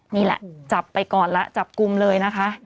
นี่แหละจับไปก่อนแล้วจับกลุ่มเลยนะคะ